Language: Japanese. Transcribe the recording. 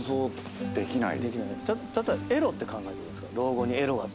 例えばエロって考えてるんですか？